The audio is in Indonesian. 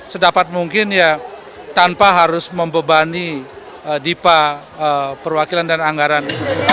sedapat mungkin ya tanpa harus membebani dipa perwakilan dan anggaran